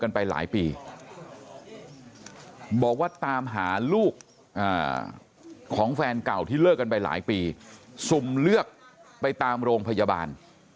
กันไปหลายปีบอกว่าตามหาลูกของแฟนเก่าที่เลิกกันไปหลายปีสุ่มเลือกไปตามโรงพยาบาล